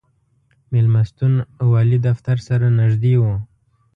مېلمستون والي دفتر سره نږدې و.